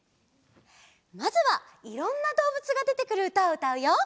まずはいろんなどうぶつがでてくるうたをうたうよ。